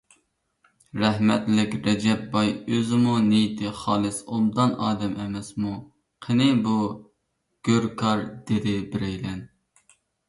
رەھمەتلىك رەجەپ باي ئۆزىمۇ نىيىتى خالىس، ئوبدان ئادەم ئەمەسمۇ!... قېنى بۇ گۆركار؟ _ دېدى بىرەيلەن.